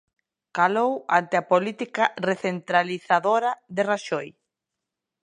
Calou ante a política recentralizadora de Raxoi.